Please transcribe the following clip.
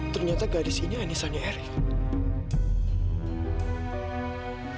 ternyata garis ini anissanya erik